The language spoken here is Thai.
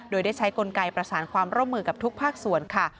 โดยได้ใช้กลไกประสานความร่วมมือกับทุกภาคส่วนค่ะ